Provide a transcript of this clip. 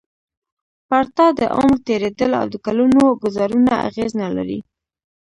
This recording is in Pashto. پر تا د عمر تېرېدل او د کلونو ګوزارونه اغېز نه لري.